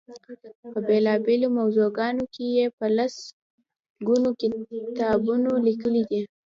په بېلا بېلو موضوعګانو کې یې په لس ګونو کتابونه لیکلي دي.